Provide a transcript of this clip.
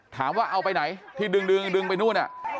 ถามว่าเอาไปไหนที่ดึงไปนู่น